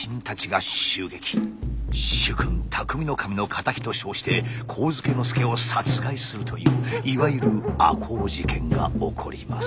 主君内匠頭の敵と称して上野介を殺害するといういわゆる赤穂事件が起こります。